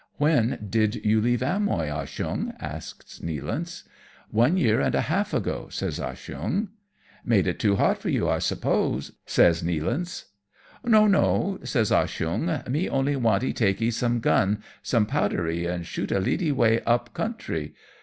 "When did you leave Amcy, Ah Cheong?" asks Nealance. " One year and a half ago/' says Ah Cheong. " Made it too hot for you, I suppose ?" says Nealance. " No, no," says Ah Cheong, " me only wantee takee some gun, some powderee and shot a littee way up country.